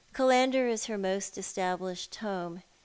Killander is her most established home.